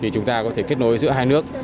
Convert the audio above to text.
chúng ta có thể kết nối giữa hai nước